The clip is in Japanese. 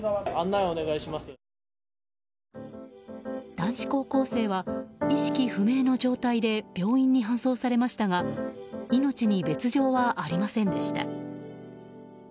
男子高校生は意識不明の状態で病院に搬送されましたが命に別条はありませんでした。